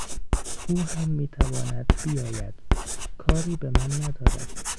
او هم میتواند بیاید; کاری به من ندارد.